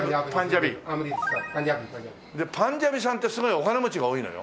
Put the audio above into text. パンジャビさんってすごいお金持ちが多いのよ。